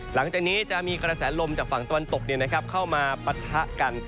หลังจากนี้จะมีกระแสลมจากฝั่งตะวันตกเข้ามาปะทะกัน